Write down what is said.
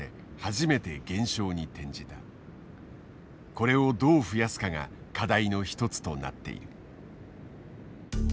これをどう増やすかが課題の一つとなっている。